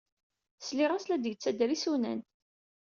Sliɣ-as la d-yettader isunan.